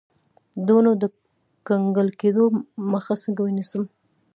د ونو د کنګل کیدو مخه څنګه ونیسم؟